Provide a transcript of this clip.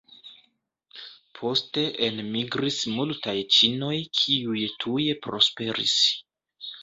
Poste enmigris multaj ĉinoj kiuj tuje prosperis.